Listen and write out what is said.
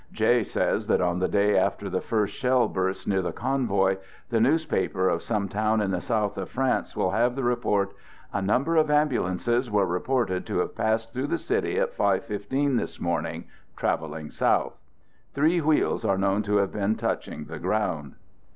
J says that on the day after the first shell bursts near the convoy, the newspaper of some town in the south of France will have the report: *A number of ambulances were reported to have passed through the city at 5:15 this morning, traveling south. Three wheels are known to have been touching the ground.'